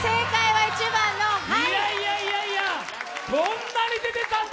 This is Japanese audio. いやいやいやいや、こんなに出てたんだ！